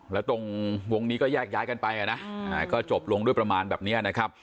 แล้วตรงวงนี้ก็แยกย้ายกันไปนะก็จบลงด้วยประมาณแบบนี้นะครับ